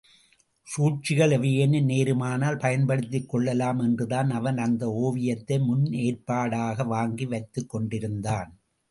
சூழ்ச்சிகள் எவையேனும் நேருமானால் பயன்படுத்திக் கொள்ளலாம் என்றுதான் அவன் அந்த ஒவியத்தை முன்னேற்பாடாக வாங்கி வைத்துக் கொண்டிருந்தான்.